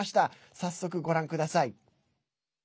早速ご覧ください。